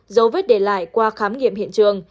dấu vết để lại qua khám nghiệm hiện trường